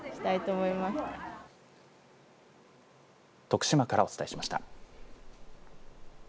徳島からお伝えしました。